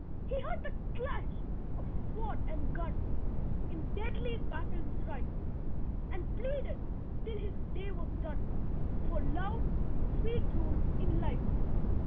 He heard the clash of sword and gun In deadly battle strife; And pleaded till his day was done For Love's sweet rule in life.